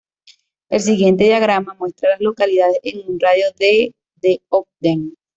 El siguiente diagrama muestra a las localidades en un radio de de Ogden.